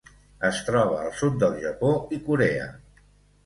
Es troba al sud del Japó i Corea.